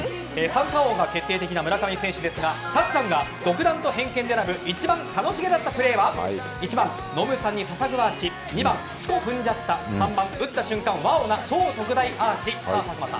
三冠王が決定的な村上選手ですがたっちゃんが独断と偏見で選ぶ一番楽しげだったプレーは１番、ノムさんに捧ぐアーチ２番、四股ふんじゃった３番、打った瞬間ＷＯＷな超特大アーチ。